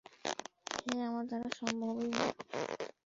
এ আমার দ্বারা সম্ভবই না!